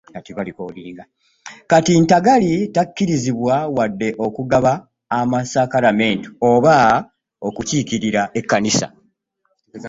Kati Ntagali takkirizibwa wadde okugaba amasakaramentu oba okukiikirira ekkanisa.